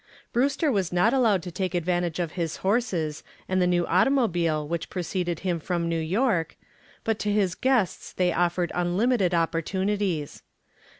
Brewster was not allowed to take advantage of his horses and the new automobile which preceded him from New York, but to his guests they offered unlimited opportunities.